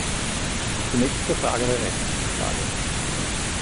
Zunächst zur Frage der Rechtsgrundlage.